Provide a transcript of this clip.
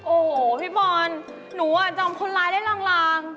โอ้โหพี่บอลหนูอ่ะจำคนร้ายได้ลาง